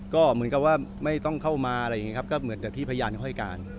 ก็เหมือนกับว่าไม่ต้องเข้ามาอะไรอย่างนี้ครับก็เหมือนกับที่พยานเขาให้การ